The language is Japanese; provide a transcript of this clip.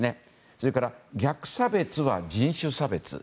それから、逆差別は人種差別。